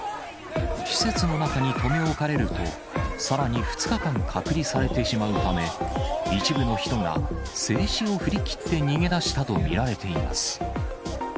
施設の中に留め置かれると、さらに２日間隔離されてしまうため、一部の人が制止を振り切って逃げ出したと見られています。